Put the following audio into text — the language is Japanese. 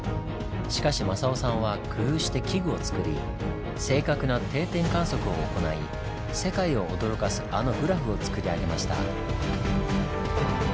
しかし正夫さんは工夫して器具をつくり正確な定点観測を行い世界を驚かすあのグラフをつくり上げました。